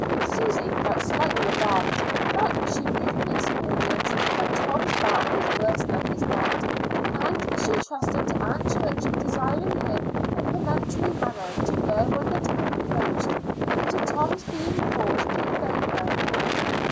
Susy felt slightly alarmed, but she knew from experience that Tom's bark was worse than his bite; and she trusted to Aunt Church desiring him in a peremptory manner to go when the time approached, and to Tom's being forced to obey her.